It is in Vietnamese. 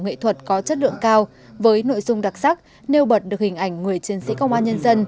nghệ thuật có chất lượng cao với nội dung đặc sắc nêu bật được hình ảnh người chiến sĩ công an nhân dân